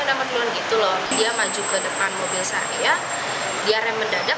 dia maju ke depan mobil saya dia rem mendadak